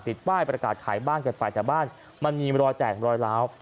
ป้ายประกาศขายบ้านกันไปแต่บ้านมันมีรอยแตกรอยล้าว